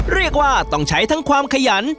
เรียกว่าต้องใช้ทั้งความขยัน